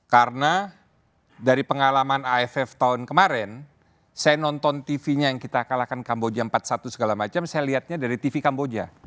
karena dari pengalaman aff tahun kemarin saya nonton tv nya yang kita kalahkan kamboja empat puluh satu segala macam saya lihatnya dari tv kamboja